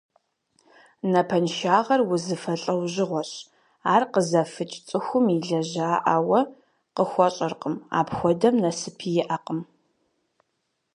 Напэншагъэр узыфэ лӏэужьгъуэщ. Ар къызэфыкӏ цӏыхум илажьэӏауэ къыхуэщӏэркъым. Апхуэдэм нэсыпи иӏэкъым.